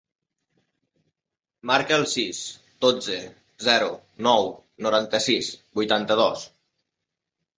Marca el sis, dotze, zero, nou, noranta-sis, vuitanta-dos.